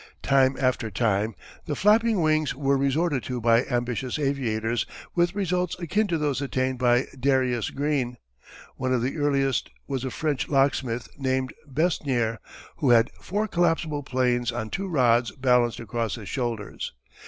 Time after time the "flapping wings" were resorted to by ambitious aviators with results akin to those attained by Darius Green. One of the earliest was a French locksmith named Besnier, who had four collapsible planes on two rods balanced across his shoulders.